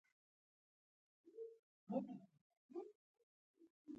تر ننه په هغه بکس پسې ګرځي.